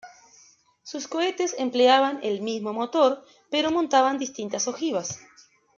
Sus cohetes empleaban el mismo motor, pero montaban distintas ojivas.